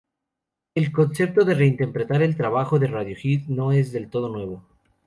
El concepto de reinterpretar el trabajo de Radiohead no es del todo nuevo.